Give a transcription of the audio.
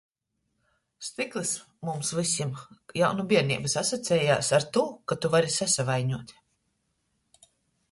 Styklys mums vysim jau nu bierneibys asociejās ar tū, ka tu vari sasavaiņuot.